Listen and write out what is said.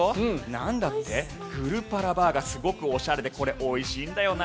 なんだって、グルパラバーガーすごくおしゃれでおいしいんだよな。